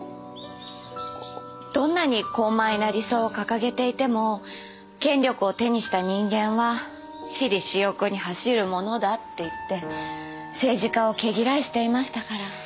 どんなに高邁な理想を掲げていても権力を手にした人間は私利私欲に走るものだって言って政治家を毛嫌いしていましたから。